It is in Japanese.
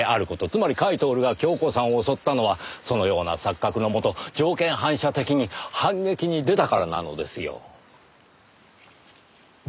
つまり甲斐享が恭子さんを襲ったのはそのような錯覚のもと条件反射的に反撃に出たからなのですよ。